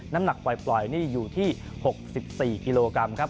น้ำหนักปล่อยนี่อยู่ที่๖๔กิโลกรัมครับ